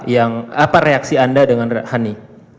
yang apa reaksi anda dengan hani